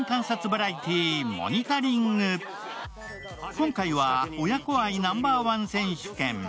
今回は、親子愛ナンバー１選手権。